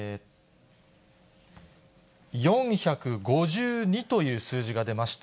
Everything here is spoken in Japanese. ４５２という数字が出ました。